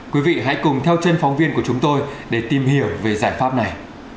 quý vị hãy cùng theo chân phóng viên của chúng tôi để tìm hiểu về giải pháp này